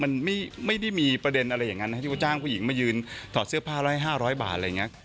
มันไม่ได้มีประเด็นว่าอยากจะจ้างผู้หญิงมายืนถอดเสื้อผ้า๕๐๐บาท